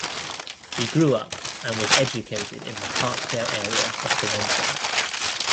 He grew up and was educated in the Parkdale area of Toronto.